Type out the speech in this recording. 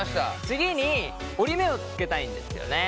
次に折り目をつけたいんですよね。